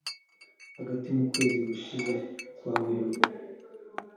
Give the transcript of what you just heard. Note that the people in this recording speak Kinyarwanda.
Hagati mu kwezi gushize kwa Werurwe